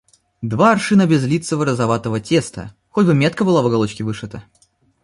Два аршина безлицего розоватого теста: хоть бы метка была в уголочке вышита.